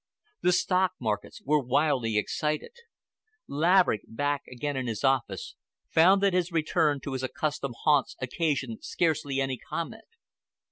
The stock markets were wildly excited. Laverick, back again in his office, found that his return to his accustomed haunts occasioned scarcely any comment.